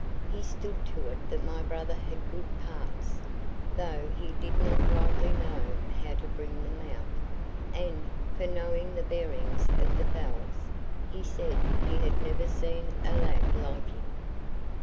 He stood to it that my brother had good parts, though he did not rightly know how to bring them out; and, for knowing the bearings of the Fells, he said he had never seen a lad like him.